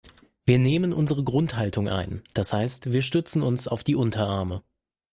Wir nehmen unsere Grundhaltung ein, das heißt wir stützen uns auf die Unterarme.